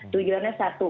tujuan nya satu